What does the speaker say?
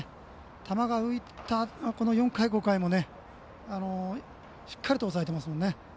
球が浮いたこの４回、５回もしっかりと抑えてますもんね。